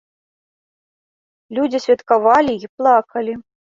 Людзі святкавалі і плакалі.